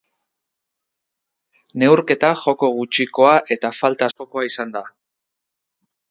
Neurketa joko gutxikoa eta falta askokoa izan da.